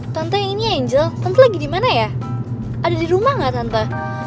tante yang ini angel tante lagi dimana ya ada di rumah gak tante